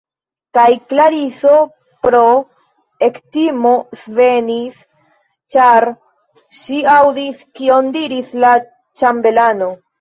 Kaj Klariso pro ektimo svenis, ĉar ŝi aŭdis, kion diris la ĉambelano.